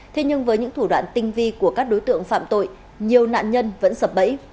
thế nhưng với những thủ đoạn tinh vi của các đối tượng phạm tội nhiều nạn nhân vẫn sập bẫy